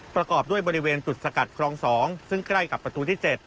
ประกอบด้วยบริเวณจุดสกัดคลอง๒ซึ่งใกล้กับประตูที่๗